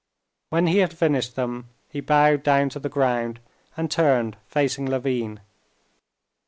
When he had finished them he bowed down to the ground and turned, facing Levin.